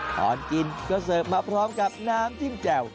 ตอนกินก็เสิร์ฟมาพร้อมกับน้ำจิ้มแจ่ว